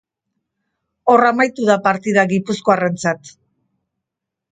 Hor amaitu da partida gipuzkoarrentzat.